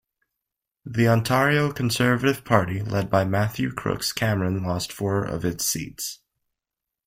The Ontario Conservative Party, led by Matthew Crooks Cameron lost four of its seats.